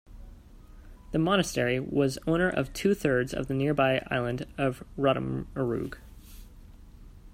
The monastery was owner of two-thirds of the nearby island of Rottumeroog.